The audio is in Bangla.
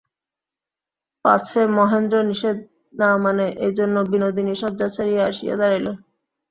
পাছে মহেন্দ্র নিষেধ না মানে, এইজন্য বিনোদিনী শয্যা ছাড়িয়া আসিয়া দাঁড়াইল।